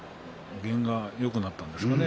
験がよくなったんですかね。